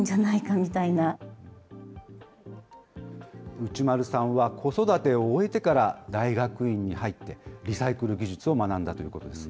内丸さんは、子育てを終えてから大学院に入って、リサイクル技術を学んだということです。